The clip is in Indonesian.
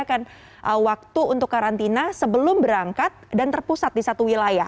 bagaimana cara mereka bisa membuatkan waktu untuk karantina sebelum berangkat dan terpusat di satu wilayah